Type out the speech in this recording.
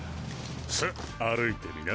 さっ歩いてみな。